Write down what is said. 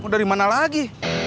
mau dari mana lagi